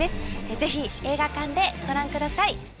ぜひ映画館でご覧ください。